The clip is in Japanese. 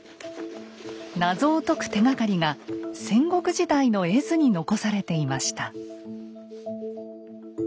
謎を解く手がかりが戦国時代の絵図に残されていました。